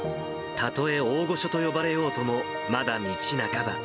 たとえ大御所と呼ばれようとも、まだ道半ば。